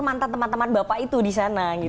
mantan teman teman bapak itu di sana